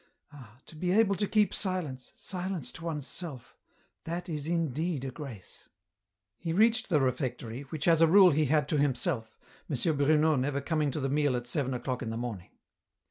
Ah I to be able to keep silence, silence to one's self, that is indeed a grace !" He reached the refectory, which, as a rule, he had to himself, M. Bruno never coming to the meal at seven o'clock in the morning.